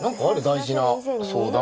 大事な相談。